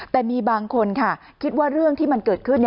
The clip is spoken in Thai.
แต่มีบางคนค่ะคิดว่าเรื่องที่มันเกิดขึ้น